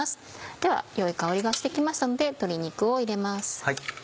では良い香りがして来ましたので鶏肉を入れます。